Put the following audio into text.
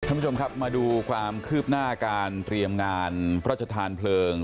คุณผู้ชมครับมาดูความคืบหน้าการเตรียมงานพระชธานเพลิง